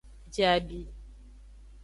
Je abi.